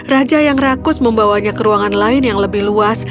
raja yang rakus membawanya ke ruangan lain yang lebih luas